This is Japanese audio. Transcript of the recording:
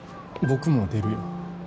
僕も出るよ。